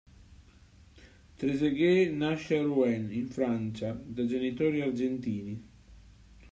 Trezeguet nasce a Rouen, in Francia, da genitori argentini.